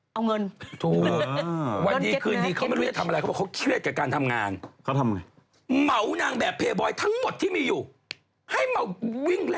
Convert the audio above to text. เยอะกว่านี้ว่านี้วิ่งวิ่งวิ่งใส่ชุดเหมียนไม่นะ